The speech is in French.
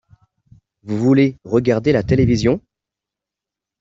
Vous voulez regarder la télévision ?